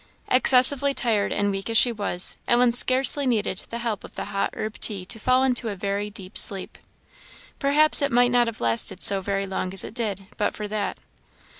Excessively tired and weak as she was, Ellen scarcely needed the help of the hot herb tea to fall into a very deep sleep; perhaps it might not have lasted so very long as it did, but for that.